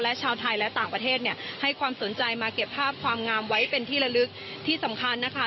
และชาวไทยและต่างประเทศเนี่ยให้ความสนใจมาเก็บภาพความงามไว้เป็นที่ละลึกที่สำคัญนะคะ